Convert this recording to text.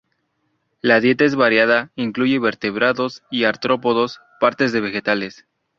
La dieta es variada, incluye vertebrados y artrópodos, partes de vegetales.